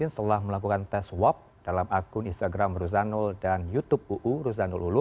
setelah melakukan penyelamatan